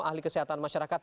ahli kesehatan masyarakat